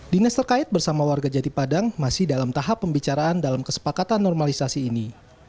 dinas terkait bersama warga jati padang masih dalam tahap pembicaraan dalam kesepakatan normalisasi ini